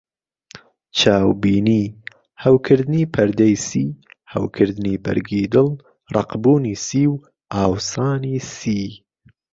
چاوبینی: هەوکردنی پەردەی سی، هەوکردنی بەرگی دڵ، ڕەقبوونی سی و ئاوسانی سی.